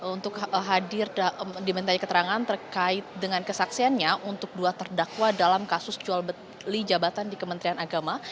untuk hadir dimintai keterangan terkait dengan kesaksiannya untuk dua terdakwa dalam kasus jual beli jabatan di kementerian agama